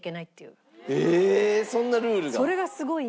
そんなルールが。